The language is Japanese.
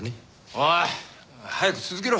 おい早く続けろ。